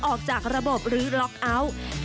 ออกจากระบบหรือล็อกเอาท์